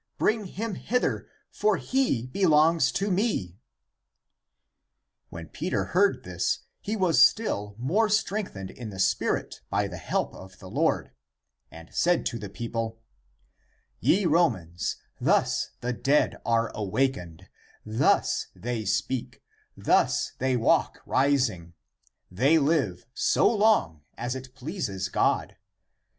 Bring him hither, for he be longs to me." When Peter heard this he was still ACTS OF PETER 105 more strengthened in the spirit by the help of the Lord, and said to the People, " Ye Romans, thus the dead are awakened, thus they speak, thus they walk rising; they live so long as it pleases God.